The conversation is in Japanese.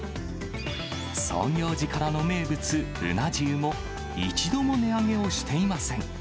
創業時からの名物、うな重も、一度も値上げをしていません。